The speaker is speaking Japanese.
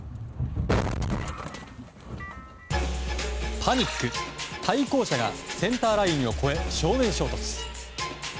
パニック、対向車がセンターラインを越え正面衝突。